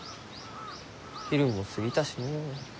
昼も過ぎたしのう。